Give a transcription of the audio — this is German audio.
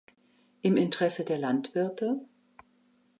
Im Interesse der Landwirte?